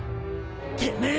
てめえ。